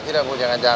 tidak bu jangan jangan